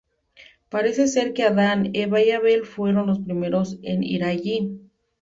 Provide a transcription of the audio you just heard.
Parece ser que Adan, Eva y Abel fueron los primeros en ir allí.